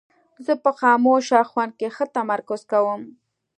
زه په خاموشه خونه کې ښه تمرکز کوم.